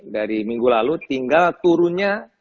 dari minggu lalu tinggal turunnya